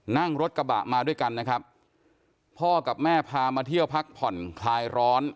นั่งรถกระบะมาด้วยกันนะครับพ่อกับแม่พามาเที่ยวพักผ่อนคลายร้อน